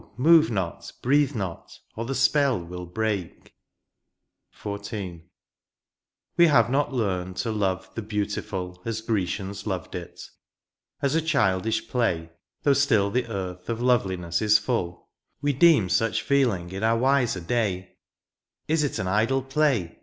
move not, breathe not, or the spell will break ! 122 THE PAST. XIV. We have not learned to love the beautiful As Orecians loved it ; as a childish play^ (Though still the earth of loveliness is full^) We deem such feeling in our wiser day : Is it an idle play